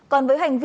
còn với hành vi